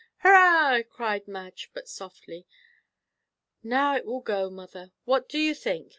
"Hurrah!" cried Madge, but softly "Now it will go! Mother! what do you think?